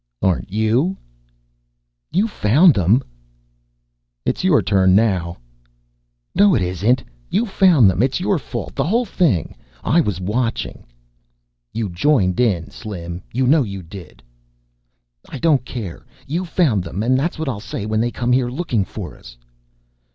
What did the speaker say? "Aren't you?" "You found them." "It's your turn, now." "No, it isn't. You found them. It's your fault, the whole thing. I was watching." "You joined in, Slim. You know you did." "I don't care. You found them and that's what I'll say when they come here looking for us."